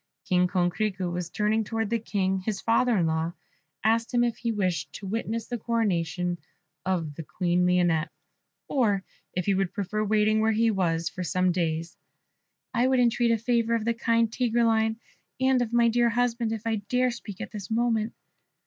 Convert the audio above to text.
King Coquerico then turning towards the King, his father in law, asked him if he wished to witness the coronation of the Queen Lionette, or if he would prefer waiting where he was for some days. "And I," said Lionette, "I would entreat a favour of the kind Tigreline, and of my dear husband, if I dare speak at this moment."